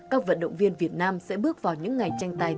các vận động viên việt nam sẽ bước vào tập trung của các chiến binh sao vàng